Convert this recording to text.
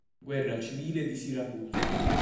Guerra civile di Siracusa